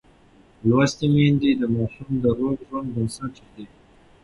لوستې میندې د ماشوم د روغ ژوند بنسټ ږدي.